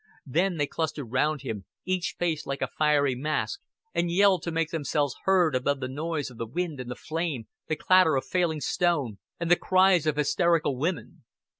Then they clustered round him, each face like a fiery mask, and yelled to make themselves heard above the noise of the wind and the flames, the clatter of failing stone, and the cries of hysterical women.